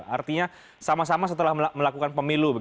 artinya sama sama setelah melakukan pemilu